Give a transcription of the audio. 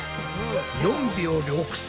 ４秒６３！